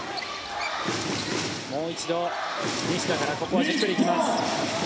もう一度、西田からここはじっくり行きます。